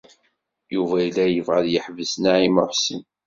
Yuba yella yebɣa ad yeḥbes Naɛima u Ḥsen.